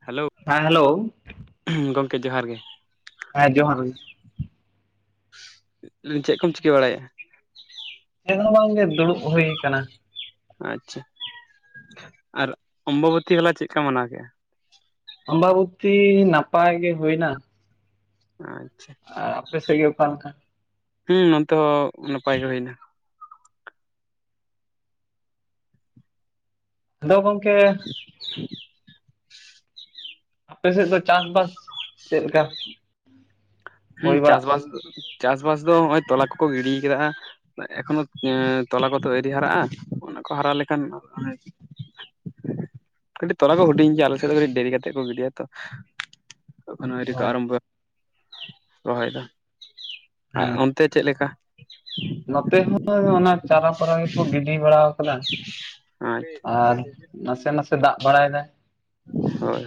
Hello ᱦᱮᱸ hello ᱦᱚᱸ ᱜᱚᱢᱠᱮ ᱡᱚᱦᱟᱨ ᱜᱮ ᱦᱮᱸ ᱡᱚᱦᱟᱨ ᱜᱮ ᱪᱮᱫ ᱠᱚᱢ ᱪᱤᱠᱟᱹ ᱵᱟᱲᱟᱭᱮᱜ ᱟ ᱪᱮᱫ ᱦᱚᱸ ᱵᱟᱝᱜᱮ ᱫᱩᱲᱩᱵ ᱦᱩᱭ ᱠᱟᱱᱟ ᱟᱪᱪᱷᱟ ᱟᱨ ᱚᱢᱵᱟᱵᱚᱛᱤ ᱦᱚᱞᱟ ᱪᱮᱫᱠᱟ ᱢᱟᱱᱟᱣ ᱠᱮᱫᱼᱟ ᱟᱢᱵᱟᱵᱚᱛᱤ ᱱᱟᱯᱟᱭ ᱜᱮ ᱦᱩᱭᱱᱟ ᱟᱪᱪᱷᱟ ᱟᱨ ᱟᱯᱮ ᱥᱮᱫ ᱜᱮ ᱚᱠᱟ ᱞᱮᱠᱟ ᱦᱩᱸ ᱱᱚᱱᱛᱮ ᱦᱚᱸ ᱱᱟᱯᱟᱭ ᱜᱮ ᱦᱩᱭᱱᱟ ᱦᱮᱞᱞᱳ ᱜᱚᱢᱠᱮ [unintelligible] ᱟᱯᱮ ᱥᱮᱫ ᱫᱚ ᱪᱟᱥ ᱵᱟᱥ ᱪᱮᱫ ᱞᱮᱠᱟ ᱦᱮᱸ ᱦᱩᱭ ᱵᱟᱲᱟᱜ ᱪᱟᱥᱵᱟᱥ ᱠᱟᱱᱟ ᱪᱟᱥᱵᱟᱥ ᱫᱚ ᱦᱚᱜ ᱚᱭ ᱛᱚᱞᱟ ᱠᱚᱠᱚ ᱜᱤᱲᱤ ᱠᱟᱫᱟ ᱮᱠᱷᱚᱱᱳ ᱛᱚᱞᱟ ᱠᱚᱛᱚ ᱟᱹᱭᱨᱤ ᱦᱟᱨᱟᱜᱼᱟ ᱚᱱᱟ ᱠᱚ ᱦᱟᱨᱟ ᱞᱮᱠᱷᱟᱱ ᱠᱟᱹᱴᱤᱡ ᱛᱚᱨᱟ ᱠᱚ ᱦᱩᱴᱤᱧ ᱜᱮᱭᱟ ᱟᱞᱮ ᱥᱮᱫ ᱫᱚ ᱠᱟᱹᱴᱤᱡ ᱰᱮᱨᱤ ᱠᱟᱛᱮᱜ ᱠᱚ ᱜᱤᱰᱤᱭᱟ ᱛᱚ ᱛᱠᱷᱚᱱ ᱟᱩᱨᱤ ᱠᱚ ᱦᱳᱭ ᱟᱨᱟᱢᱵ ᱨᱚᱦᱚᱭ ᱫᱚ ᱟᱨ ᱦᱮᱸ ᱚᱱᱛᱮ ᱪᱮᱫ ᱞᱮᱠᱟ ᱱᱚᱛᱮ ᱦᱚᱸ ᱚᱱᱟ ᱪᱟᱨᱟᱯᱟᱨᱟ ᱜᱮᱠᱚ ᱜᱤᱰᱤ ᱵᱟᱲᱟ ᱟᱪᱪᱷᱟ ᱟᱨ ᱱᱟᱥᱮ ᱱᱟᱥᱮ ᱫᱟᱜ ᱵᱟᱲᱟᱭᱮᱫᱟᱭ ᱦᱳᱭ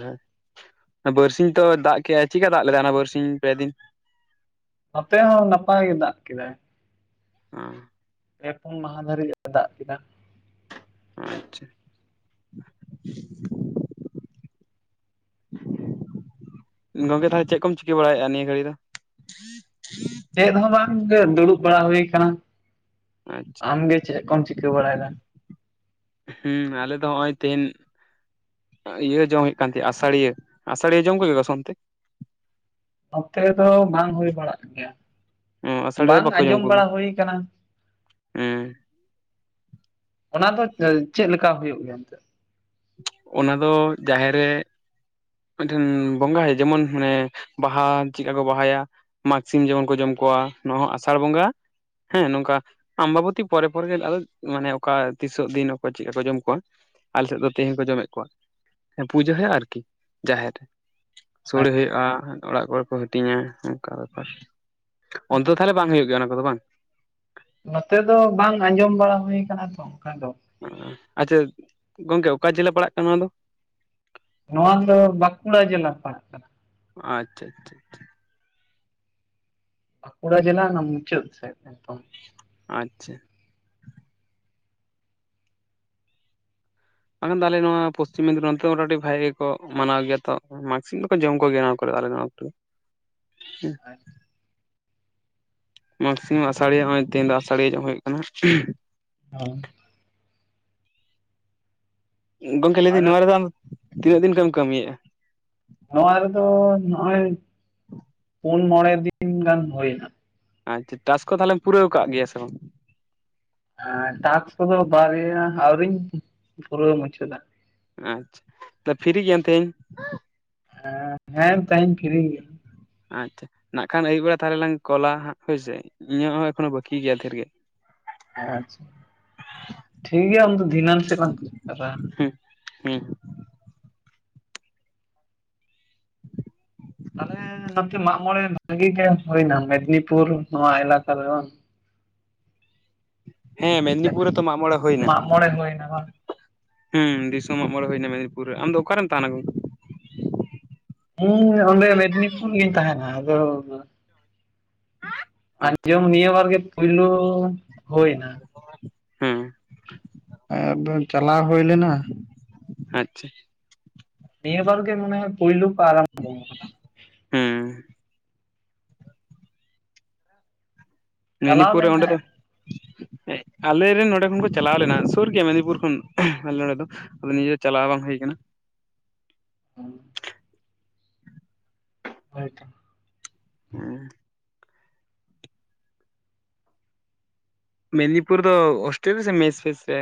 ᱦᱳᱭ ᱵᱟᱨᱥᱤᱧ ᱛᱚ ᱫᱟᱜ ᱠᱮᱜ ᱟᱭ ᱪᱤᱠᱟ ᱫᱟᱜ ᱞᱮᱫᱟᱭ ᱚᱱᱟ ᱵᱟᱨᱥᱤᱧ ᱯᱮᱫᱤᱱ ᱱᱚᱛᱮ ᱦᱚᱸ ᱱᱟᱯᱟᱭ ᱜᱮ ᱫᱟᱜ ᱠᱮᱫᱟᱭ ᱦᱟᱸ ᱯᱮ ᱯᱩᱱ ᱢᱟᱦᱟᱸ ᱫᱷᱟᱹᱨᱤᱡ ᱮ ᱫᱟᱜ ᱠᱮᱫᱟ ᱟᱪᱪᱷᱟ [unintelligible] ᱜᱚᱝᱠᱮ ᱛᱟᱦᱞᱮ ᱪᱮᱫ ᱠᱚᱢ ᱪᱤᱠᱟᱹ ᱵᱟᱲᱟᱭᱮᱫᱼᱟ ᱱᱤᱭᱟᱹ ᱜᱷᱟᱹᱲᱤ ᱫᱚ ᱪᱮᱫ ᱦᱚᱸ ᱵᱟᱝ ᱜᱮ ᱫᱩᱲᱩᱵ ᱵᱟᱲᱟ ᱦᱩᱭ ᱟᱠᱟᱱᱟ ᱟᱪᱪᱷᱟ ᱾ ᱟᱢᱜᱮ ᱪᱮᱫ ᱠᱚᱢ ᱪᱤᱠᱟᱹ ᱵᱟᱲᱟᱭᱮᱫᱟ ᱦᱩᱸ ᱟᱞᱮ ᱫᱚ ᱦᱚᱸᱜᱼᱚᱭ ᱛᱮᱦᱮᱧ ᱤᱭᱟᱹ ᱡᱚᱢ ᱦᱩᱭᱩᱜ ᱠᱟᱱ ᱛᱟᱸᱦᱮᱫ ᱟᱥᱟᱲᱤᱭᱟᱹ, ᱟᱥᱟᱲᱤᱭᱟᱹ ᱡᱚᱢ ᱠᱚ ᱦᱩᱭᱩᱜᱚ-ᱟ ᱥᱮ ᱚᱱᱛᱮ? ᱱᱚᱛᱮ ᱫᱚ ᱵᱟᱝ ᱦᱩᱭ ᱵᱟᱲᱟᱜ ᱜᱮᱭᱟ ᱦᱮᱸ ᱟᱥᱟᱲᱤᱭᱟᱹ ᱵᱟᱝ ᱵᱟᱠᱚ ᱡᱚᱢ ᱟᱸᱡᱚᱢ ᱠᱚᱜᱮ ᱵᱟᱲᱟ ᱦᱩᱭ ᱟᱠᱟᱱᱟ ᱦᱮᱸ ᱚᱱᱟ ᱫᱚ ᱪᱮᱫ ᱞᱮᱠᱟ ᱦᱩᱭᱩᱜ ᱜᱮᱭᱟ ᱮᱱᱛᱮᱫ ᱚᱱᱟ ᱫᱚ ᱡᱟᱦᱮᱨ ᱨᱮ ᱢᱤᱫᱴᱮᱱ ᱵᱚᱸᱜᱟᱭ ᱡᱮᱢᱚᱱ ᱢᱟᱱᱮ ᱵᱟᱦᱟ ᱪᱮᱫᱞᱮᱠᱟ ᱠᱚ ᱵᱟᱦᱟᱭᱟ ᱢᱟᱜᱽ ᱥᱤᱢ ᱡᱮᱢᱚᱱ ᱠᱚ ᱡᱚᱢ ᱠᱚᱣᱟ ᱱᱚᱣᱟ ᱦᱚᱸ ᱟᱥᱟᱲ ᱵᱚᱸᱜᱟ ᱦᱮᱸ ᱱᱚᱝᱠᱟ ᱟᱢᱵᱟᱵᱚᱛᱤ ᱯᱚᱨᱮ ᱯᱚᱨᱮ ᱜᱮ ᱟᱫᱚ ᱢᱟᱱᱮ ᱚᱠᱟ ᱛᱤᱥᱚᱜ ᱫᱤᱱ ᱚᱠᱚᱭ ᱪᱮᱫᱞᱮᱠᱟ ᱠᱚ ᱡᱚᱢ ᱠᱚᱣᱟ ᱟᱞᱮ ᱥᱮᱫ ᱫᱚ ᱛᱮᱦᱤᱧ ᱠᱚ ᱡᱚᱢ ᱮᱫ ᱠᱚᱣᱟ ᱦᱮᱸ ᱯᱩᱡᱟᱹ ᱦᱩᱭᱩᱜᱼᱟ ᱟᱨᱠᱤ ᱡᱟᱦᱮᱨ ᱨᱮ ᱥᱳᱲᱮ ᱟᱪᱪᱷᱟ ᱦᱩᱭᱩᱜᱼᱟ ᱚᱲᱟᱜ ᱠᱚᱨᱮ ᱠᱚ ᱦᱟᱹᱴᱤᱧᱟ ᱚᱱᱠᱟ ᱵᱮᱯᱟᱨ ᱚᱱᱛᱮ ᱫᱚ ᱛᱟᱦᱚᱞᱮ ᱵᱟᱝ ᱦᱩᱭᱩᱜ ᱜᱮᱭᱟ ᱚᱱᱟ ᱠᱚ ᱫᱚ ᱵᱟᱝ ᱱᱚᱛᱮ ᱫᱚ ᱵᱟᱝ ᱟᱸᱡᱚᱢ ᱵᱟᱲᱟ ᱦᱩᱭ ᱟᱠᱟᱱᱟ ᱛᱚ ᱚᱱᱠᱟ ᱫᱚ ᱟᱪᱪᱷᱟ ᱜᱚᱝᱠᱮ ᱚᱠᱟ ᱡᱮᱞᱟ ᱯᱟᱲᱟᱜ ᱠᱟᱱᱟ ᱚᱱᱟ ᱫᱚ ᱱᱚᱶᱟ ᱫᱚ ᱵᱟᱸᱠᱩᱲᱟ ᱡᱤᱞᱟ ᱯᱟᱲᱟᱜ ᱠᱟᱱᱟ ᱟᱪᱪᱷᱟ ᱟᱪᱪᱷᱟ ᱟᱪᱷᱟ ᱵᱟᱸᱠᱩᱲᱟ ᱡᱤᱞᱟ ᱚᱱᱟ ᱢᱩᱪᱟᱹᱫ ᱥᱮᱫ ᱮᱠᱫᱚᱢ ᱟᱪᱪᱷᱟ ᱵᱟᱝᱠᱷᱟᱱ ᱫᱚ ᱟᱞᱮ ᱱᱚᱶᱟ ᱯᱚᱥᱪᱤᱢ ᱢᱮᱫᱱᱤ ᱱᱚᱛᱮ ᱫᱚ ᱢᱚᱴᱟᱢᱚᱴᱤ ᱵᱷᱟᱜᱮ ᱜᱮᱠᱚ ᱢᱟᱱᱟᱣ ᱜᱮᱭᱟ ᱛᱚ ᱢᱟᱹᱜ ᱥᱤᱢ ᱫᱚ ᱠᱚ ᱡᱚᱢ ᱠᱚ ᱜᱮᱭᱟ ᱱᱚᱶᱟ ᱠᱚᱨᱮ ᱟᱞᱮ ᱱᱚᱶᱟ ᱠᱳᱨᱮ ᱫᱚ ᱦᱮᱸ ᱢᱟᱜᱽ ᱥᱤᱢ ᱦᱚᱸ ᱟᱥᱟᱲᱤᱭᱟ ᱦᱚᱸ ᱱᱚᱜ-ᱚᱭ ᱛᱤᱦᱤᱧ ᱫᱚ ᱟᱥᱟᱲᱤᱭᱟᱹ ᱡᱚᱢ ᱦᱩᱭᱩᱜ ᱠᱟᱱᱟ ᱦᱮᱸ ᱜᱚᱝᱠᱮ ᱞᱟᱹᱭᱫᱟᱹᱧ ᱟᱫᱚ ᱱᱚᱶᱟ ᱨᱮ ᱫᱚ ᱟᱢ ᱛᱤᱱᱟᱹᱜ ᱫᱤᱱ ᱠᱷᱚᱡ ᱮᱢ ᱠᱟᱹᱢᱤᱭᱮᱫᱼᱟ ᱱᱚᱶᱟ ᱨᱮ ᱫᱚ ᱱᱚᱜᱼᱚᱭ ᱯᱩᱱ ᱢᱚᱬᱮ ᱫᱤᱱ ᱜᱟᱱ ᱦᱩᱭ ᱮᱱᱟ ᱟᱪᱪᱷᱟ ᱴᱟᱥᱠ ᱠᱚ ᱛᱟᱦᱚᱞᱮᱢ ᱯᱩᱨᱟᱹᱣ ᱟᱠᱟᱜ ᱜᱮᱭᱟ ᱥᱮ ᱵᱟᱝ ᱴᱟᱠᱥ ᱠᱚ ᱫᱚ ᱵᱟᱨᱭᱟ ᱟᱹᱣᱨᱤᱧ ᱯᱩᱨᱟᱹᱣ ᱢᱩᱪᱟᱹᱫᱟ ᱟᱪᱪᱷᱟ ᱯᱷᱤᱨᱤ ᱜᱮᱭᱟᱱ ᱛᱮᱦᱮᱧ ᱦᱮᱸ ᱦᱮᱸ ᱛᱤᱦᱤᱧ ᱯᱷᱤᱨᱤ ᱜᱮᱭᱟᱹ ᱟᱪᱪᱷᱟ ᱱᱟᱜ ᱠᱷᱟᱱ ᱟᱹᱭᱩᱵ ᱵᱮᱲᱟ ᱛᱟᱦᱚᱞᱮ ᱞᱟᱝ ᱠᱚᱞ-ᱟ ᱦᱳᱭᱥᱮ ᱤᱧᱟᱹᱜ ᱦᱚᱸ ᱮᱠᱷᱚᱱᱳ ᱵᱟᱹᱠᱤ ᱜᱮᱭᱟ ᱫᱷᱮᱨ ᱜᱮ ᱟᱪᱪᱷᱟ ᱴᱷᱤᱠ ᱜᱮᱭᱟ ᱩᱱᱫᱚ ᱫᱷᱤᱱᱟᱹᱱ ᱥᱮᱫ ᱞᱟᱝ [unintelligible] ᱦᱮᱸ ᱛᱟᱦᱚᱞᱮ ᱱᱚᱛᱮ ᱢᱟᱜᱢᱚᱬᱮ ᱵᱷᱟᱹᱜᱤ ᱜᱮ ᱦᱩᱭ ᱮᱱᱟ ᱢᱮᱫᱽᱱᱤᱯᱩᱨ ᱱᱚᱶᱟ ᱮᱞᱟᱠᱟ ᱨᱮ ᱵᱟᱝ ᱦᱮᱸ ᱢᱮᱫᱽᱱᱤᱯᱩᱨ ᱨᱮ ᱛᱚ ᱢᱟᱜ ᱢᱚᱬᱮ ᱦᱩᱭ ᱮᱱᱟ ᱢᱟᱜ ᱢᱚᱬᱮ ᱦᱩᱭᱱᱟ ᱵᱟᱝ ᱦᱮᱸ ᱫᱤᱥᱚᱢ ᱢᱚᱜᱢᱚᱬᱮ ᱦᱩᱭ ᱮᱱᱟ ᱢᱮᱫᱽᱤᱯᱩᱨ ᱨᱮ ᱟᱢᱫᱚ ᱚᱠᱟ ᱨᱮᱢ ᱛᱟᱦᱮᱱᱟ ᱜᱚᱢ... ᱦᱮᱸ ᱤᱧ ᱫᱚ ᱚᱸᱰᱮ ᱢᱮᱫᱽᱱᱤᱯᱩᱨ ᱨᱤᱧ ᱛᱟᱦᱮᱱᱟ ᱟᱫᱚ ᱟᱪᱪᱷᱟ ᱟᱸᱡᱚᱢ ᱱᱤᱭᱟᱹ ᱵᱟᱨ ᱜᱮ ᱯᱩᱭᱞᱩ ᱦᱩᱭ ᱮᱱᱟ ᱟᱨ ᱮᱠᱫᱚᱢ ᱪᱟᱞᱟᱣ ᱦᱩᱭ ᱞᱮᱱᱟ ᱟᱪᱪᱷᱟ ᱱᱤᱭᱟᱹ ᱵᱟᱨ ᱜᱮ ᱢᱚᱱᱮ ᱦᱚᱭ ᱯᱩᱭᱞᱩ ᱠᱚ ᱟᱨᱟᱢᱵᱚ ᱦᱮᱸ ᱪᱟᱞᱟᱣ ᱢᱮᱱᱤᱯᱩᱨᱩᱨ ᱞᱮᱱ ᱚᱰᱮ ᱫᱚ ᱛᱟᱦᱮᱸᱫ ᱦᱮᱸ ᱟᱞᱮᱨᱮᱱ ᱱᱚᱸᱰᱮ ᱠᱷᱚᱱ ᱠᱚ ᱪᱟᱞᱟᱣ ᱞᱮᱱᱟ ᱥᱩᱨ ᱜᱮᱭᱟ ᱢᱚᱫᱱᱤᱯᱩᱨ ᱠᱷᱚᱱ ᱟᱞᱮ ᱱᱚᱸᱰᱮ ᱫᱚ ᱟᱫᱚ ᱱᱤᱡᱮ ᱪᱟᱞᱟᱣ ᱵᱟᱝ ᱦᱩᱭ ᱠᱟᱱᱟ [unintelligible] ᱦᱚᱭ ᱛᱚ ᱮᱸ ᱢᱮᱫᱽᱱᱤᱯᱩᱨ ᱫᱚ ᱚᱥᱴᱮᱞ ᱥᱮ ᱢᱮᱥ ᱯᱷᱮᱥ ᱥᱮ?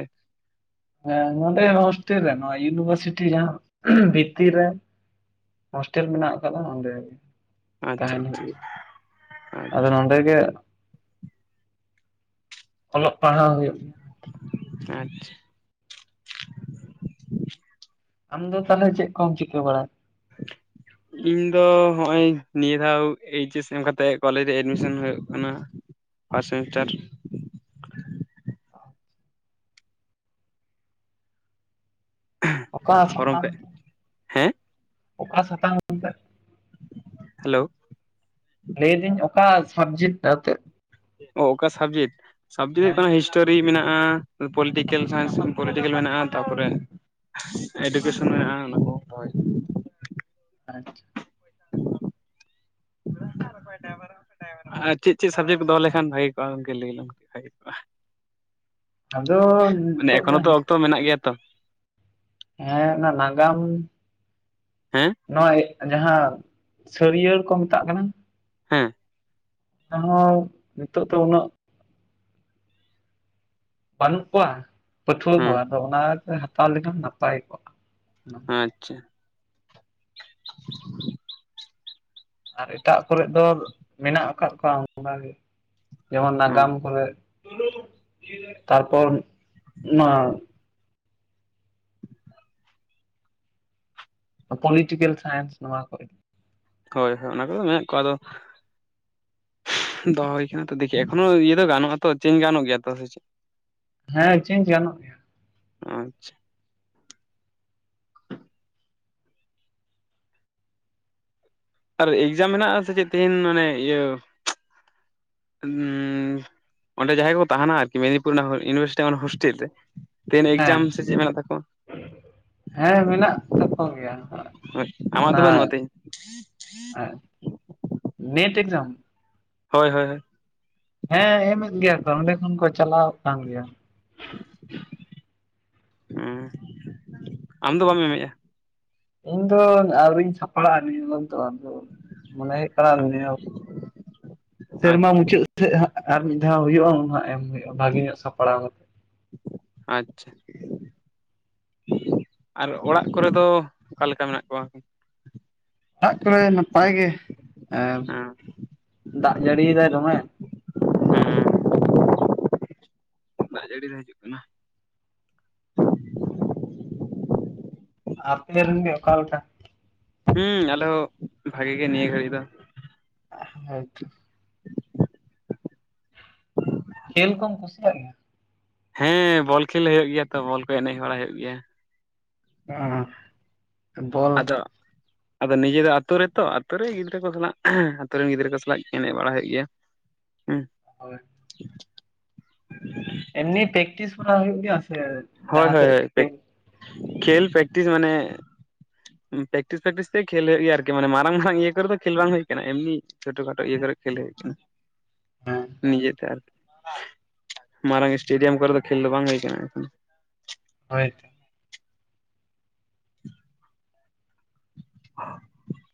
ᱮ ᱱᱚᱰᱮ ᱦᱚᱥᱴᱮᱞ ᱨᱮ ᱭᱩᱱᱤᱵᱟᱨᱥᱤᱴᱤ ᱡᱟᱦᱟᱸ ᱵᱷᱤᱛᱤᱨ ᱨᱮ ᱦᱳᱥᱴᱮᱞ ᱢᱮᱱᱟᱜ ᱟᱠᱟᱫᱟ ᱚᱸᱰᱮ ᱟᱪᱪᱷᱟ ᱛᱟᱦᱮᱱ ᱟᱪᱪᱷᱟ ᱦᱩᱭᱩᱜᱼᱜᱮ, ᱟᱫᱚ ᱟᱪᱪᱷᱟ ᱱᱚᱰᱮ ᱜᱮ ᱚᱞᱚᱜ ᱯᱟᱲᱦᱟᱣ ᱦᱩᱭᱩᱜ ᱟᱪᱪᱷᱟ ᱟᱢ ᱫᱚ ᱛᱟᱦᱞᱮ ᱪᱮᱫ ᱠᱚᱢ ᱪᱤᱠᱟᱹ ᱵᱟᱲᱟᱭ? ᱤᱧ ᱫᱚ ᱦᱚᱜᱚᱭ ᱱᱤᱭᱟᱹ ᱫᱷᱟᱣ ᱮᱭᱤᱪᱮᱥ ᱮᱢ ᱠᱟᱛᱮᱜ ᱠᱚᱞᱮᱮᱡ ᱨᱮ ᱮᱰᱢᱤᱥᱚᱱ ᱦᱳᱭᱳᱜ ᱠᱟᱱᱟ ᱯᱷᱟᱥ ᱥᱤᱢᱤᱥᱴᱟᱨ ᱚᱠᱟ ᱯᱷᱚᱨᱚᱢ ᱥᱟᱛᱟᱢ ᱯᱮ ᱦᱮᱸ ᱚᱠᱟ ᱥᱟᱛᱟᱝ ᱦᱮᱞᱳ ᱞᱟᱹᱭᱫᱟᱹᱧ ᱚᱠᱟ ᱥᱟᱵᱽᱡᱮᱠᱴ ᱱᱛᱮᱫ ᱚ ᱚᱠᱟ ᱥᱟᱵᱡᱮᱠᱴ ᱥᱟᱵᱡᱮᱠᱴ ᱦᱩᱭᱩᱜ ᱦᱮᱸ ᱠᱟᱱᱟ ᱦᱤᱥᱴᱨᱤ ᱴᱳᱨᱤ ᱢᱮᱱᱟᱜ-ᱟ ᱯᱚᱞᱤᱴᱤᱠᱮᱞ ᱥᱟᱭᱤᱱᱥ ᱯᱳᱞᱤᱴᱤᱠᱤᱞ ᱛᱟᱯᱚᱨᱮ ᱮᱰᱩᱠᱮᱥᱚᱱ ᱢᱮᱱᱟᱜᱼᱟ ᱚᱱᱟ ᱠᱚ ᱦᱳᱭ ᱟᱪᱪᱷᱟ [unintelligible] ᱟᱨ ᱪᱮᱫ ᱪᱮᱫ ᱥᱟᱵᱡᱮᱠᱴ ᱫᱚᱦᱚ ᱞᱮᱠᱷᱟᱱ ᱵᱷᱟᱹᱜᱤ ᱠᱚᱜ-ᱟ ᱞᱟᱹᱭᱠ ᱵᱷᱟᱹᱜᱮ ᱠᱚᱜᱼᱟ ᱟᱫᱚ ᱢᱟᱱᱮ ᱱᱤᱛᱚᱜ ᱫᱚ ᱮᱠᱷᱚᱱᱳᱛᱚ ᱦᱮᱸ ᱚᱠᱛᱚ ᱢᱮᱱᱟᱜ ᱜᱮᱭᱟ ᱛᱚ ᱦᱮᱸ ᱚᱱᱟ ᱱᱟᱜᱟᱢ ᱦᱮᱸ ᱱᱚᱜᱚᱭ ᱡᱟᱦᱟᱸ ᱥᱟᱹᱨᱭᱟᱹᱲ ᱠᱚ ᱢᱮᱛᱟᱜ ᱠᱟᱱᱟ ᱦᱮᱸ ᱟᱨ ᱱᱚᱣᱟ ᱱᱤᱛᱳᱜ ᱫᱚ ᱩᱱᱟᱹᱜ ᱵᱟᱹᱱᱩᱜ ᱠᱚᱣᱟ ᱯᱟᱹᱴᱷᱩᱣᱟᱹ ᱦᱮᱸ ᱠᱚᱣᱟ ᱟᱫᱚ ᱚᱱᱟ ᱠᱚ ᱦᱟᱛᱟᱣ ᱞᱮᱠᱷᱟᱱ ᱱᱟᱯᱟᱭ ᱠᱚᱜᱼᱟ ᱟᱪᱪᱷᱟ ᱟᱨ ᱮᱴᱟᱜ ᱠᱚᱨᱮ ᱫᱚ ᱢᱮᱱᱟᱜ ᱟᱠᱟᱫ ᱠᱚᱣᱟ ᱚᱱᱠᱮ ᱡᱮᱢᱚᱱ ᱦᱮᱸ ᱱᱟᱜᱟᱢ ᱠᱚᱨᱮ ᱛᱟᱨᱯᱚᱨ ᱱᱚᱣᱟ ᱯᱚᱞᱤᱴᱤᱠᱮᱞ ᱥᱟᱭᱮᱱᱥ ᱱᱚᱣᱟ ᱠᱚ ᱦᱳᱭ ᱦᱳᱭ ᱚᱱᱟ ᱠᱚᱫᱚ ᱢᱮᱱᱟᱜ ᱠᱚᱣᱟ ᱟᱫᱚ ᱫᱚᱦᱚ ᱦᱩᱭ ᱠᱟᱱᱟ ᱛᱚ ᱫᱮᱠᱷᱤ ᱮᱠᱷᱚᱱᱚ ᱤᱭᱟᱹ ᱫᱚ ᱜᱟᱱᱚᱜᱼᱟ ᱛᱚ ᱪᱮᱧᱡᱽ ᱜᱟᱱᱚᱜ ᱜᱮᱭᱟ ᱛᱚ ᱥᱮ ᱪᱮᱫ ᱦᱮᱸ ᱪᱮᱧᱡᱽ ᱜᱟᱱᱚᱜ ᱜᱮᱭᱟ ᱟᱪᱪᱷᱟ ᱟᱨ ᱮᱠᱡᱟᱢ ᱦᱮᱱᱟᱜ-ᱟ ᱥᱮ ᱪᱮᱫ ᱛᱮᱦᱤᱧ ᱢᱟᱱᱮ ᱤᱭᱟᱹ ᱚᱸᱰᱮ ᱡᱟᱦᱟᱸᱭ ᱠᱚᱠᱚ ᱛᱟᱦᱮᱱᱟ ᱟᱨᱠᱤ ᱢᱮᱫᱽᱱᱤᱯᱩᱨ ᱤᱭᱩᱱᱤᱵᱷᱟᱨᱥᱤᱴᱤ ᱚᱱᱟ ᱦᱳᱥᱴᱮᱞ ᱨᱮ ᱛᱮᱦᱮᱱ ᱦᱮᱸ ᱮᱠᱡᱟᱢ ᱥᱮ ᱪᱮᱫ ᱢᱮᱱᱟᱜ ᱛᱟᱠᱚᱣᱟ ᱦᱮᱸ ᱢᱮᱱᱟᱜ ᱛᱟᱠᱚ ᱜᱮᱭᱟ ᱟᱢᱟᱜ ᱫᱚ ᱵᱟᱹᱱᱩᱜᱼᱟ ᱛᱮ ᱮ ᱱᱮᱴ ᱮᱠᱡᱟᱢ ᱦᱳᱭ ᱦᱳᱭ ᱦᱳᱭ᱾ ᱦᱮᱸ ᱮᱢᱮᱫ ᱜᱮᱭᱟ ᱠᱚ ᱚᱸᱰᱮ ᱠᱷᱚᱱ ᱠᱚ ᱪᱟᱞᱟᱣ ᱠᱟᱱ ᱜᱮᱭᱟ᱾ ᱚ ᱟᱢ ᱫᱚ ᱵᱟᱢ ᱮᱢ ᱮᱜᱼᱟ᱾ ᱤᱧ ᱫᱚ ᱟᱹᱣᱨᱤᱧ ᱥᱟᱯᱲᱟᱜᱼᱟ ᱱᱤᱭᱟᱹ ᱵᱟᱨ ᱫᱚ ᱟᱫᱚ ᱢᱚᱱᱮ ᱦᱩᱭᱩᱜ ᱠᱟᱱᱟ ᱟᱪᱪᱷᱟ ᱥᱮᱨᱢᱟ ᱢᱩᱪᱟᱹᱫ ᱟᱨ ᱢᱤᱫ ᱫᱷᱟᱣ ᱦᱩᱭᱩᱜᱼᱟ ᱩᱱ ᱦᱜ ᱮᱢ ᱦᱩᱭᱩᱜᱼᱟ ᱵᱷᱟᱜᱤ ᱧᱚᱜ ᱥᱟᱯᱲᱟᱣ ᱠᱟᱛᱮ ᱾ ᱟᱪᱪᱷᱟ᱾ ᱟᱨ ᱚᱲᱟᱜ ᱠᱚᱨᱮ ᱫᱚ ᱚᱠᱟᱞᱮᱠᱟ ᱢᱮᱱᱟᱜ ᱠᱚᱣᱟ? ᱚᱲᱟᱜ ᱠᱚᱨᱮ ᱱᱟᱯᱟᱭ ᱜᱮ ᱮ, ᱫᱟᱜ ᱡᱟᱹᱲᱤ ᱭᱮᱫᱟᱭ ᱫᱚᱢᱮ᱾ ᱦᱮᱸ ᱫᱟᱜ ᱡᱟᱹᱲᱤ ᱫᱚ ᱦᱤᱡᱩᱜ ᱠᱟᱱᱟ᱾ ᱟᱯᱮ ᱨᱮᱱ ᱜᱮ ᱚᱠᱟ ᱞᱮᱠᱟ? ᱦᱩᱸ ᱟᱞᱮ ᱦᱚᱸ ᱵᱷᱟᱜᱤ ᱜᱮ ᱱᱤᱭᱟᱹ ᱜᱷᱟᱹᱲᱤᱡ ᱫᱚ᱾ ᱦᱳᱭ ᱛᱚ᱾ ᱠᱷᱮᱞ ᱠᱚᱢ ᱠᱩᱥᱤᱭᱟᱜ ᱜᱮᱭᱟ? ᱦᱮᱸ ᱵᱚᱞ ᱠᱷᱮᱞ ᱦᱳᱭᱳᱜ ᱜᱮᱭᱟ ᱛᱚ ᱵᱚᱞ ᱠᱚ ᱮᱱᱮᱡ ᱵᱟᱲᱟ ᱦᱳᱭᱳᱜ ᱜᱮᱭᱟ᱾ ᱚ ᱟᱫᱚ ᱟᱫᱚ ᱱᱤᱡᱮ ᱫᱚ ᱟᱛᱳ ᱨᱮᱛᱚ ᱟᱛᱩᱨ ᱨᱮ ᱜᱤᱫᱽᱨᱟᱹ ᱠᱚ ᱥᱟᱞᱟᱜ ᱟᱛᱳ ᱨᱮᱱ ᱜᱤᱫᱽᱨᱟᱹ ᱠᱚ ᱥᱟᱞᱟᱜ ᱮᱱᱮᱡ ᱵᱟᱲᱟᱭ ᱦᱳᱭᱳᱜ ᱜᱮᱭᱟ᱾ ᱩ ᱦᱳᱭ᱾ ᱮᱢᱱᱤ ᱯᱮᱠᱴᱤᱥ ᱠᱚᱨᱟ ᱦᱩ. ᱭᱩᱜ ᱜᱮᱭᱟ᱾ ᱥᱮ ᱦᱳᱭ ᱡᱟᱦᱟᱸ ᱦᱳᱭ ᱥᱮᱫ ᱦᱳᱭ ᱠᱷᱮᱞ ᱦᱮᱸ ᱠᱷᱮᱞ ᱯᱨᱮᱠᱴᱤᱥ ᱢᱟᱱᱮ ᱯᱮᱠᱴᱤᱥ ᱯᱮᱠᱴᱤᱥ ᱛᱮ ᱠᱷᱮᱞ ᱦᱩᱭᱩᱜᱮᱭᱟ ᱟᱨᱠᱤ ᱢᱟᱱᱮ ᱢᱟᱨᱟᱝ ᱢᱟᱨᱟᱝ ᱤᱭᱟᱹ ᱠᱚᱨᱮᱫᱚ ᱠᱷᱮᱞ ᱵᱟᱝ ᱦᱩᱭ ᱠᱟᱱᱟ ᱮᱢᱱᱤ ᱪᱷᱴ ᱠᱷᱟᱴᱳ ᱤᱭᱟᱹ ᱠᱚᱨᱮ ᱠᱷᱮᱞ ᱦᱩᱭᱩᱠᱟᱱᱟ᱾ ᱱᱤᱡᱮᱛᱮ ᱟᱨᱠᱤ ᱢᱟᱨᱟᱝ ᱥᱴᱮᱰᱤᱭᱟᱢ ᱠᱚᱨᱮ ᱫᱚ ᱠᱷᱮᱞ ᱫᱚ ᱵᱟᱝ ᱦᱩᱭ ᱠᱟᱱᱟ ᱮᱠᱷᱚᱱ᱾ [unintelligible]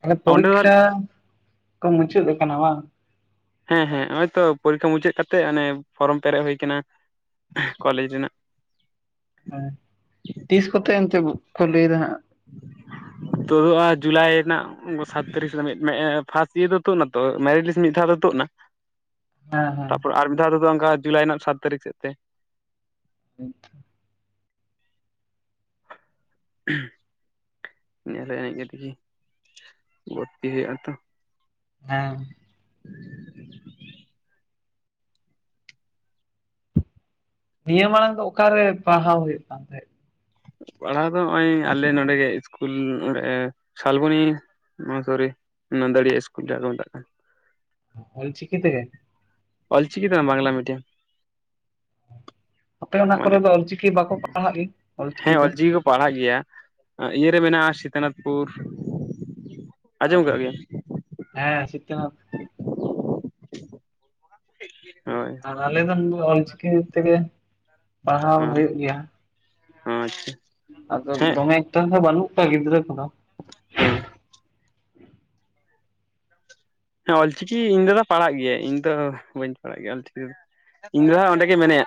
ᱛᱟᱦᱞᱮ ᱚᱸᱰᱮ ᱫᱚ ᱯᱚᱨᱤᱠᱷᱟ ᱠᱚ ᱢᱩᱪᱟᱹᱫ ᱟᱠᱟᱱᱟ ᱵᱟᱝ? ᱦᱮᱸ ᱦᱮᱸ ᱱᱚᱜ ᱛᱚ ᱯᱚᱨᱤᱠᱠᱷᱟ ᱢᱩᱪᱟᱹᱫ ᱠᱟᱛᱮᱜ ᱚᱱᱮ ᱯᱷᱚᱨᱚᱢ ᱯᱮᱨᱮᱡ ᱦᱩᱭ ᱠᱟᱱᱟ ᱠᱚᱞᱮᱡᱽ ᱨᱮᱱᱟᱜ᱾ ᱦ ᱛᱤᱥ ᱠᱚᱛᱮ ᱮᱱᱛᱮ ᱠᱚ ᱞᱟᱹᱭ ᱫᱟ ᱦᱟᱸᱜ? ᱛᱳᱫᱚᱜᱼᱟ ᱡᱩᱞᱟᱭ ᱨᱮᱱᱟᱜ ᱥᱟᱛ ᱛᱟᱹᱨᱤᱠᱷ ᱥᱮᱫ ᱯᱷᱟᱥᱴ ᱤᱭᱟᱨ ᱫᱚ ᱛᱩᱫ ᱮᱱᱟᱛᱚ ᱢᱮᱨᱤᱴᱤᱥ ᱢᱤᱫ ᱫᱷᱟᱣ ᱫᱚ ᱛᱩᱫ ᱮᱱᱟ᱾ ᱦᱮᱸ ᱛᱟᱯᱚᱨ ᱟᱨ ᱢᱤᱫ ᱫᱷᱟᱣ ᱛᱮᱫᱚ ᱚᱱᱠᱟ ᱡᱩᱞᱟᱭ ᱨᱮᱱᱟᱜ ᱥᱟᱛ ᱛᱟᱹᱨᱤᱠᱷ ᱥᱮᱫ ᱛᱮ᱾ [unintelligible] ᱧᱮᱞᱮ ᱮᱱᱮᱡ ᱠᱟᱛᱮᱜᱤ ᱵᱷᱚᱨᱛᱤ ᱦᱩᱭᱩᱜ ᱟᱛᱚ᱾ ᱦᱮᱸ ᱾ ᱱᱤᱭᱟᱹ ᱢᱟᱲᱟᱝ ᱫᱚ ᱚᱠᱟᱨᱮ ᱯᱟᱲᱦᱟᱣ ᱦᱩᱭᱩᱜ ᱠᱟᱱ ᱛᱟᱦᱮᱸᱫ? ᱯᱟᱲᱦᱟᱣ ᱫᱚ ᱱᱚᱜᱼᱚᱭ ᱟᱞᱮ ᱱᱚᱸᱰᱮ ᱜᱮ ᱤᱥᱠᱩᱞ ᱱᱚᱸᱰᱮ ᱥᱟᱞᱵᱚᱱᱤ᱾ ᱥᱚᱨᱤ ᱱᱟᱫᱟᱹᱲᱤᱭᱟ ᱥᱠᱩᱞ ᱡᱟᱦᱟᱸ ᱠᱚ ᱢᱮᱛᱟᱜ ᱠᱟᱱ᱾ ᱚᱞ ᱪᱤᱠᱤ ᱛᱮ ᱜᱮ? ᱚᱞᱪᱤᱠᱤ ᱫᱚ ᱵᱟᱝ ᱵᱟᱝᱞᱟ ᱢᱤᱰᱤᱭᱟᱢ᱾ ᱟᱯᱮ ᱚᱱᱟ ᱠᱚᱨᱮ ᱢᱟᱱᱮ ᱫᱚ ᱚᱞᱪᱤᱠᱤ ᱵᱟᱠᱚ ᱯᱟᱲᱦᱟᱜ ᱜᱮ? ᱦᱮᱸ ᱚᱞᱪᱤᱠᱤ ᱠᱚ ᱯᱟᱲᱦᱟᱜ ᱜᱮᱭᱟ ᱤᱭᱟᱹᱨᱮ ᱢᱮᱱᱟᱜᱼᱟ ᱥᱤᱛᱟᱱᱟᱛᱷᱯᱩᱨ᱾ ᱚ ᱟᱸᱡᱚᱢ ᱠᱟᱜ ᱜᱮᱭᱟᱢ ᱦᱮᱸ ᱥᱤᱛᱟᱹ ᱦᱳᱭ ᱟᱨ ᱟᱞᱮ ᱫᱚ ᱱᱚᱰᱮ ᱚᱞᱪᱤᱠᱤ ᱛᱮᱜᱮ ᱯᱟᱲᱦᱟᱣ ᱦᱩᱭᱩᱜ ᱜᱮᱭᱟ᱾ ᱦᱚᱸ ᱟᱪᱪᱷᱟ ᱟᱫᱚ ᱦᱮᱸ ᱫᱚᱢᱮ ᱮᱠᱴᱟ ᱫᱚ ᱵᱟᱹᱱᱩᱜ ᱠᱚᱣᱟ ᱜᱤᱫᱽᱨᱟᱹ ᱠᱚᱫᱚ ᱦᱮᱸ ᱦᱮᱸ ᱚᱞᱪᱤᱠᱤ ᱤᱧ ᱫᱟᱫᱟᱭ ᱯᱟᱲᱦᱟᱜ ᱜᱮᱭᱟ ᱤᱧ ᱫᱚ ᱵᱟᱹᱧ ᱯᱟᱲᱦᱟᱜ ᱜᱮᱭᱟ ᱚᱞᱪᱤᱠᱤ ᱫᱚ ᱤᱧ ᱫᱟᱫᱟ ᱦᱚᱸ ᱚᱸᱰᱮ ᱜᱮ ᱢᱮᱱᱮᱭᱟ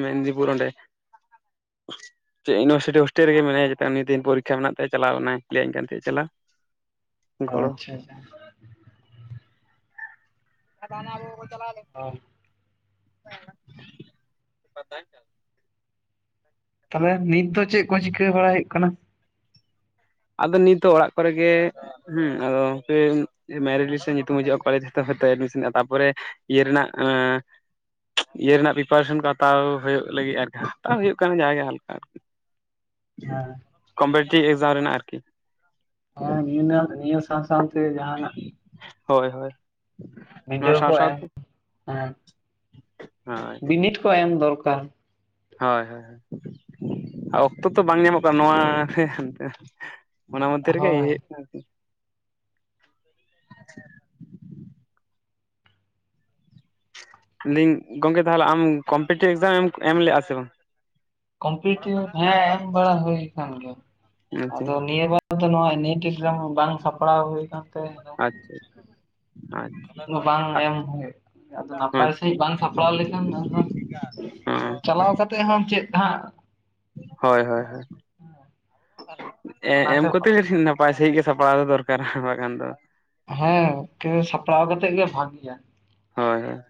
ᱢᱮᱱᱫᱤᱯᱩᱨ ᱚᱸᱰᱮ ᱪᱮᱫ ᱤᱭᱩᱱᱤᱵᱷᱟᱨᱥᱤᱴᱤ ᱦᱳᱥᱴᱮᱞ ᱨᱮᱜᱮ ᱢᱮᱱᱟᱭᱟ [unintelligible] ᱫᱤᱱ ᱯᱚᱨᱤᱠᱷᱟ ᱢᱮᱱᱟᱜ ᱛᱟᱭᱟ ᱪᱟᱞᱟᱣᱱᱟᱭ ᱞᱟᱹᱭᱟᱧ ᱠᱟᱱ ᱛᱟᱦᱮᱸᱫ ᱪᱟᱞᱞᱟᱣ [inaudible] ᱚ ᱟᱪᱪᱷᱟ ᱟᱪᱪᱷᱟ [unintelligible] ᱚᱻ [unintelligible] ᱛᱟᱦᱚᱞᱮ ᱱᱤᱛ ᱫᱚ ᱪᱮᱫ ᱠᱚ ᱪᱤᱠᱟᱹ ᱵᱟᱲᱟᱭ ᱦᱩᱭᱩᱜ ᱠᱟᱱᱟ ᱟᱫᱚ ᱱᱤᱛᱚᱜ ᱚᱲᱟᱜ ᱠᱚᱨᱮ ᱜᱮᱼᱼ ᱦᱮᱸ ᱟᱫᱚ [unintelligible] ᱢᱮᱨᱤᱴ ᱞᱤᱥᱴ ᱨᱮ ᱧᱩᱛᱩᱢ ᱦᱤᱡᱩᱜᱼᱟ ᱠᱚᱞᱮᱡᱽ [unintelligible] ᱛᱟᱯᱚᱨᱮᱼᱼ ᱤᱭᱟ ᱨᱮᱱᱟᱜ ᱟᱸ ᱤᱭᱟᱹ ᱨᱮᱱᱟᱜ ᱯᱤᱯᱟᱨᱮᱥᱚᱱ ᱠᱚ ᱦᱟᱛᱟᱣ ᱦᱩᱭᱩᱜ ᱞᱟᱹᱜᱤᱫ ᱟᱨᱠᱤ ᱦᱟᱛᱟᱣ ᱦᱩᱭᱩᱜ ᱠᱟᱱᱟ ᱡᱟᱜᱮ ᱦᱟᱞᱠᱟ ᱟᱨᱠᱤ [inaudible] ᱦᱮᱸ ᱠᱚᱢᱯᱤᱴᱤ ᱮᱠᱡᱟᱢ ᱨᱮᱱᱟᱜ ᱟᱨᱠᱤ ᱦᱮᱸ ᱱᱤᱭᱟᱹ ᱱᱤᱭᱟᱹ ᱱᱤᱭᱟᱹ ᱥᱟᱶ ᱥᱟᱶ ᱛᱮ ᱡᱟᱦᱟᱱᱟᱜ ᱦᱳᱭ ᱦᱳᱭ ᱱᱚᱣᱟ ᱵᱤᱰᱟᱹᱣ ᱥᱟᱶ ᱠᱚ ᱥᱟᱶ ᱮᱢ ᱛᱮ ᱦᱮᱸ [unintelligible] ᱵᱤᱱᱤᱰ ᱠᱚ ᱮᱢ ᱫᱚᱨᱠᱟᱨ ᱦᱳᱭ ᱦᱳᱭ ᱚᱠᱛᱚ ᱛᱚ ᱵᱟᱝ ᱧᱟᱢᱚᱜ ᱠᱟᱱᱟ ᱱᱚᱣᱟ [unintelligible] ᱚᱱᱟ ᱢᱚᱫᱫᱷᱮ ᱨᱮ ᱜᱮ ᱦᱳᱭ [unintelligible] ᱞᱤᱧ ᱜᱚᱝᱠᱮ ᱛᱟᱦᱚᱞᱮ ᱟᱢ ᱠᱚᱢᱯᱤᱴᱤᱵᱽ ᱮᱠᱡᱟᱢ ᱮᱢ ᱞᱮᱜᱼᱟ ᱥᱮ ᱵᱟᱝ ᱠᱚᱢᱯᱤᱴᱤᱵᱽ ᱦᱮᱸ ᱮᱢ ᱵᱟᱲᱟ ᱦᱩᱭ ᱠᱟᱱ ᱜᱮᱭᱟ ᱟᱫᱚ ᱱᱤᱭᱟᱹ ᱵᱟᱨᱼᱼ [unintelligible] ᱱᱚᱣᱟ ᱱᱮᱴ ᱮᱠᱡᱟᱢ ᱵᱟᱝ ᱥᱟᱯᱲᱟᱣ ᱦᱩᱭ ᱠᱟᱱ ᱛᱮ ᱟᱫᱚᱼᱼ ᱟᱪᱪᱷᱟ ᱟᱪᱪᱷᱟ ᱟᱪᱪᱷᱟ ᱵᱟᱝ ᱮᱢ ᱦᱩᱭ ᱟᱫᱚ ᱟᱪᱪᱷᱟ ᱱᱟᱯᱟᱭ ᱥᱟᱺᱦᱤᱡ ᱵᱟᱝ ᱥᱟᱯᱲᱟᱣ ᱞᱮᱠᱷᱟᱱ ᱟᱫᱚᱼᱼ ᱪᱟᱞᱟᱣ ᱠᱟᱛᱮᱫ ᱦᱚᱸ ᱪᱮᱫ ᱦᱟᱸᱜ ᱦᱳᱭ ᱦᱳᱭ ᱦᱳᱭ ᱮ ᱮᱢ ᱚᱱᱟᱛᱮ ᱠᱚᱛᱮ ᱱᱟᱯ ᱯᱟᱭ ᱥᱟᱺᱦᱤᱡ ᱜᱮ ᱥᱟᱯᱲᱟᱣ ᱫᱚ ᱫᱚᱨᱠᱟᱨᱟ ᱵᱟᱠᱷᱟᱱ ᱫᱚᱼᱼ ᱦᱮᱸ [unintelligible] ᱥᱟᱯᱲᱟᱣ ᱠᱟᱛᱮᱜ ᱜᱮ ᱵᱷᱟᱜᱮᱭᱟ ᱦᱳᱭ ᱦᱳᱭ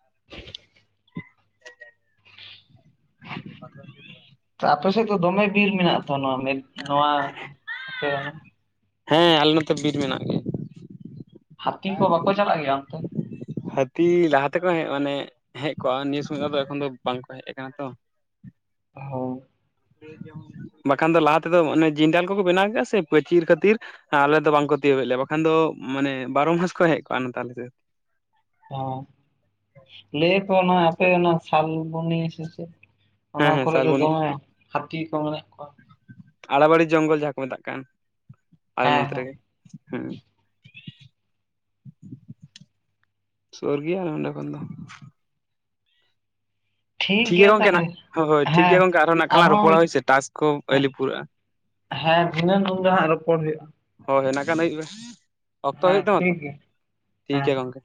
[inaudible] ᱛᱚ ᱟᱯᱮ ᱥᱮᱫ ᱫᱚ ᱫᱚᱢᱮ ᱵᱤᱨ ᱢᱮᱱᱟᱜ ᱛᱚ ᱱᱚᱣᱟ ᱢᱮᱫ ᱱᱚᱣᱟ [unintelligible] ᱦᱮᱸ ᱟᱞᱮ ᱱᱚᱛᱮ ᱵᱤᱨ ᱢᱮᱱᱟᱜ ᱜᱮᱭᱟ ᱦᱟᱹᱛᱤ ᱠᱚ ᱵᱟᱠᱚ ᱪᱟᱞᱟᱜ ᱜᱮᱭᱟ ᱚᱱᱛᱮ ᱦᱟᱹᱛᱤ ᱞᱟᱦᱟ ᱛᱮᱠᱚ ᱦᱮᱡ ᱢᱟᱱᱮᱼᱼ ᱦᱮᱡ ᱠᱚᱜᱼᱟ ᱱᱤᱭᱟᱹ ᱥᱚᱢᱚᱭ ᱫᱚ ᱟᱫᱚ ᱮᱠᱷᱚᱱ ᱫᱚ ᱵᱟᱝ ᱠᱚ ᱦᱮᱡ ᱠᱟᱱᱟ ᱛᱚ ᱦᱳᱻ [unintelligible] ᱵᱟᱠᱷᱟᱱ ᱫᱚ ᱞᱟᱦᱟ ᱛᱮᱫᱚ ᱚᱱᱮ ᱡᱤᱱᱰᱟᱞ ᱠᱚᱠᱚ ᱵᱮᱱᱟᱣ ᱠᱮᱫᱼᱟ ᱥᱮ ᱯᱟᱹᱪᱤᱨ ᱠᱷᱟᱹᱛᱤᱨ ᱦᱮᱸ ᱟᱞᱮ ᱫᱚ ᱵᱟᱝ ᱠᱚ ᱛᱤᱭᱳᱜ ᱮᱫ ᱞᱮᱭᱟ ᱵᱟᱠᱷᱟᱱ ᱫᱚ ᱢᱟᱱᱮ ᱵᱟᱨᱚ ᱢᱟᱥ ᱠᱚ ᱦᱮᱡ ᱠᱚᱜᱼᱟ ᱱᱚᱛᱮ ᱟᱞᱮ ᱥᱮᱫ ᱚᱸ ᱞᱮᱭᱟ ᱠᱚ ᱚᱱᱟ ᱟᱯᱮ ᱚᱱᱟ ᱥᱟᱞᱵᱩᱱᱤ ᱥᱮ ᱪᱮᱫ ᱚᱱᱟ ᱦᱮᱸ ᱦᱮᱸ ᱠᱚᱨᱮ ᱫᱚ ᱥᱟᱞᱵᱚᱱᱤ ᱫᱚᱢᱮ ᱦᱟᱹᱛᱤ ᱠᱚ ᱢᱮᱱᱟᱜ ᱠᱚᱣᱟ ᱟᱲᱟᱵᱟᱹᱲᱤ ᱡᱚᱝᱜᱚᱞ ᱡᱟᱦᱟᱸ ᱠᱚ ᱢᱮᱛᱟᱜ ᱠᱟᱱ ᱟᱞᱮ ᱦᱮᱸ ᱱᱚᱱᱛᱮ ᱦᱮᱸ ᱨᱮᱜᱮ ᱦᱩᱸ ᱥᱳᱨ ᱜᱮᱭᱟ ᱟᱞᱮ ᱱᱚᱸᱰᱮ ᱠᱷᱚᱱ ᱫᱚ ᱴᱷᱤᱠ ᱜᱮᱭᱟ ᱜᱚᱝᱠᱮ ᱛᱟᱦᱚᱞᱮ ᱱᱟᱸᱜ ᱦᱳ ᱦᱳᱭ ᱴᱷᱤᱠ ᱦᱮᱸ ᱜᱮᱭᱟ ᱜᱚᱝᱠᱮ ᱟᱨᱦᱚᱸ ᱱᱟᱜ ᱠᱷᱟᱱ ᱞᱟᱝ ᱨᱚᱯᱚᱲᱟ ᱦᱳᱭᱥᱮ ᱴᱟᱥᱠ ᱠᱚ ᱟᱹᱣᱞᱤ ᱯᱩᱨᱟᱹᱜᱼᱟ᱾ ᱦᱮᱸ ᱫᱷᱤᱱᱟᱹᱱ ᱜᱚᱝᱠᱮ ᱦᱟᱸᱜ ᱨᱚᱯᱚᱲ ᱦᱩᱭᱩᱜᱼᱟ᱾ ᱦᱳᱭ ᱱᱟᱜ ᱠᱷᱟᱱ ᱟᱭᱩᱵᱽ ᱵᱮᱲᱟ ᱚᱠᱛᱚ ᱦᱮᱸ ᱦᱩᱭᱩᱜ ᱛᱟᱢᱟ ᱛᱚ ᱴᱷᱤᱠ ᱜᱮᱭᱟ ᱴᱷᱤᱠ ᱦᱮᱸ ᱜᱮᱭᱟ ᱜᱚᱝᱠᱮ